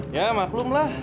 ya maklum lah